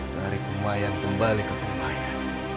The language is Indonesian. dari kumayan kembali ke kumayan